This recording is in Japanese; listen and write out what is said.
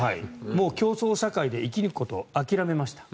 もう競争社会で生きることを諦めました。